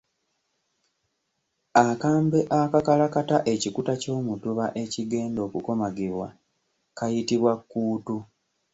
Akambe akakalakata ekikuta ky’omutuba ekigenda okukomagibwa kayitibwa kkuutu.